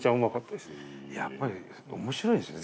やっぱり面白いんですね